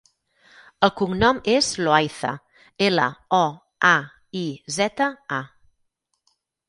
El cognom és Loaiza: ela, o, a, i, zeta, a.